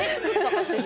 勝手に？